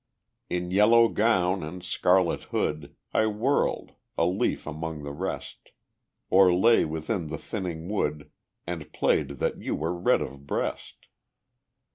In yellow gown and scarlet hood I whirled, a leaf among the rest, Or lay within the thinning wood, And played that you were Red of breast.